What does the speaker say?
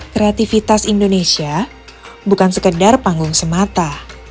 kreativitas indonesia bukan sekedar panggung semata